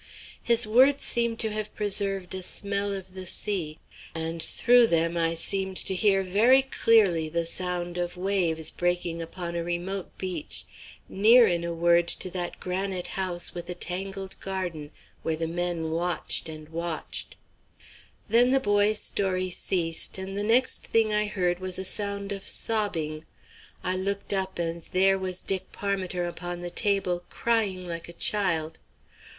His words seemed to have preserved a smell of the sea, and through them I seemed to hear very clearly the sound of waves breaking upon a remote beach near in a word to that granite house with the tangled garden where the men watched and watched. Then the boy's story ceased, and the next thing I heard was a sound of sobbing. I looked up, and there was Dick Parmiter upon the table, crying like a child.